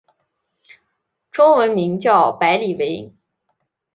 中文名叫白理惟。